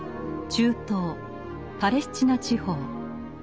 中東パレスチナ地方。